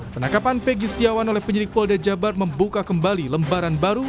penangkapan pegi setiawan oleh penyidik polda jabar membuka kembali lembaran baru